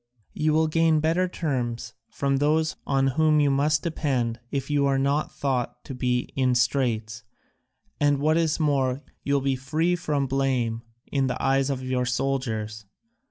You will gain better terms from those on whom you must depend if you are not thought to be in straits, and, what is more, you will be free from blame in the eyes of your soldiers.